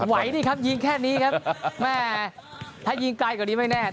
ไหวนี่ครับยิงแค่นี้ครับแม่ถ้ายิงไกลกว่านี้ไม่แน่